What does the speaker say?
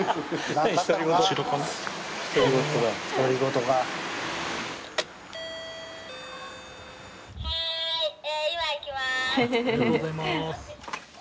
ありがとうございます。